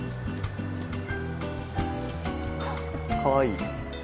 かわいい。